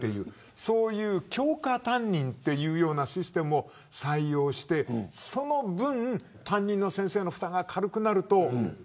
そういう教科担任というシステムを採用してその分、担任の先生の負担が軽くなると。